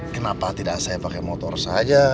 kenapa tidak saya pakai motor saja